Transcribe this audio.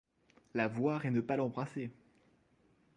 La voir et ne pas l'embrasser!